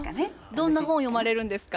どんな本を読まれるんですか？